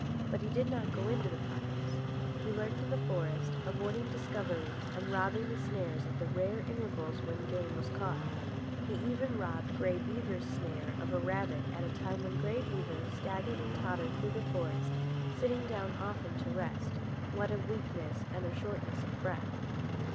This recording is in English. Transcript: But he did not go into the fires. He lurked in the forest, avoiding discovery and robbing the snares at the rare intervals when game was caught. He even robbed Grey Beaver's snare of a rabbit at a time when Grey Beaver staggered and tottered through the forest, sitting down often to rest, what of weakness and of shortness of breath.